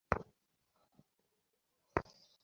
অজগর সাপের মুখের মধ্যে ঢুকতে চলেছে, একে কে বাঁচাবে?